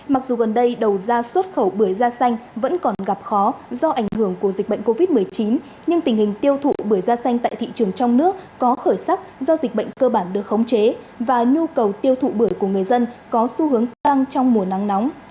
mặc dù gần đây đầu ra xuất khẩu bưởi da xanh vẫn còn gặp khó do ảnh hưởng của dịch bệnh covid một mươi chín nhưng tình hình tiêu thụ bưởi da xanh tại thị trường trong nước có khởi sắc do dịch bệnh cơ bản được khống chế và nhu cầu tiêu thụ bưởi của người dân có xu hướng tăng trong mùa nắng nóng